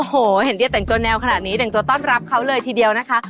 เห็นเดี๋ยวแต่งต้นแนวขนาดนี้แต่งต้นรับเขาเลยทีเดียวนะคะ